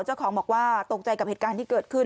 เจ้าของบอกว่าตกใจกับเหตุการณ์ที่เกิดขึ้น